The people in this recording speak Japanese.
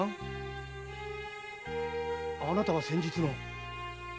あなたは先日の。